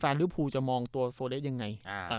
แฟนหรือภูจะมองตัวโซเลสอย่างไรอ่า